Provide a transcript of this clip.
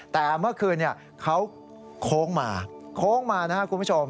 แต่เมื่อคืนเขาโค้งมาโค้งมานะครับคุณผู้ชม